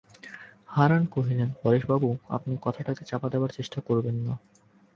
হারান কহিলেন, পরেশবাবু, আপনি কথাটাকে চাপা দেবার চেষ্টা করবেন না।